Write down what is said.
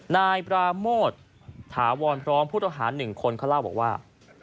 นายปราโมทถาวรพร้อมผู้ต้องหา๑คนเขาเล่าบอกว่า